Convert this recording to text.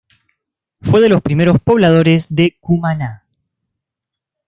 Fue de los primeros pobladores de Cumaná.